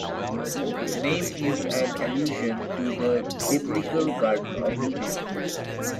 The name is an allusion to the biblical Garden of Eden.